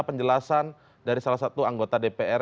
penjelasan dari salah satu anggota dpr